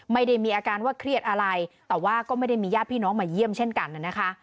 ไม่ได้มีอาการว่าเครียดอะไรแต่ว่าก็ไม่ได้มีญาติพี่น้องมาเยี่ยมเช่นกันนะคะ